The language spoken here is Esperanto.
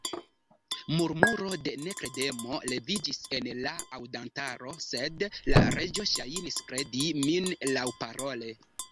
Murmuro de nekredemo leviĝis en la aŭdantaro, sed la Reĝo ŝajnis kredi min laŭparole.